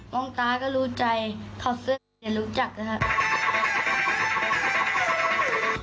มองตาก็รู้ใจเขาเสื้ออย่ารู้จักนะฮะ